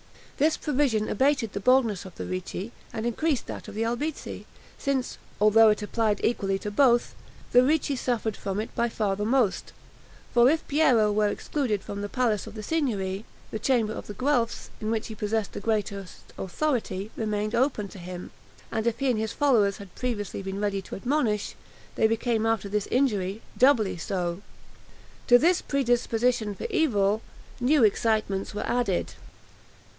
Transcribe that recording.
This provision abated the boldness of the Ricci, and increased that of the Albizzi; since, although it applied equally to both, the Ricci suffered from it by far the most; for if Piero was excluded from the palace of the Signory, the chamber of the Guelphs, in which he possessed the greatest authority, remained open to him; and if he and his followers had previously been ready to ADMONISH, they became after this injury, doubly so. To this pre disposition for evil, new excitements were added.